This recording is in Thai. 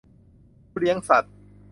ผู้เลี้ยงสัตว์